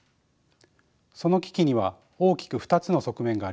その危機には大きく２つの側面があります。